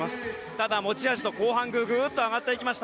ただ、持ち味の後半グッと上がっていきました。